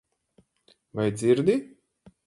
Vai dzirdi?